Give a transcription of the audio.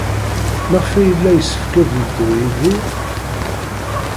Maɣef ay yella yessefk ad yeddu Yidir?